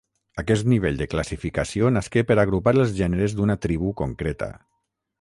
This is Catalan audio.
Aquest nivell de classificació nasqué per agrupar els gèneres d'una tribu concreta.